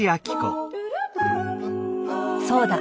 そうだ！